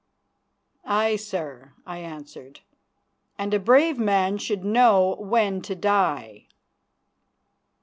"Aye, sir," I answered, "and a brave man should know when to die."